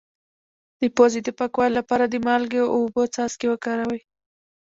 د پوزې د پاکوالي لپاره د مالګې او اوبو څاڅکي وکاروئ